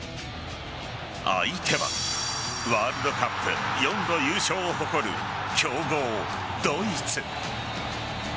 相手はワールドカップ４度優勝を誇る強豪・ドイツ。